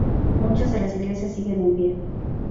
Muchas de las iglesias siguen en pie.